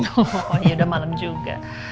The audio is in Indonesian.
oh ya udah malem juga